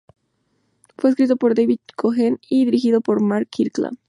Fue escrito por David Cohen y dirigido por Mark Kirkland.